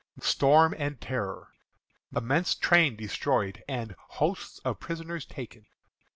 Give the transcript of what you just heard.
Storm and Terror. Immense Train Destroyed, and Hosts of Prisoners Taken.